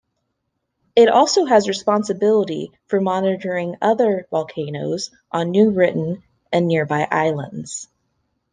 It also has responsibility for monitoring other volcanoes on New Britain and nearby islands.